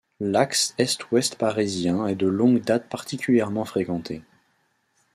L'axe est-ouest parisien est de longue date particulièrement fréquenté.